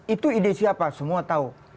itu ide siapa semua tahu